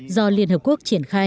do liên hợp quốc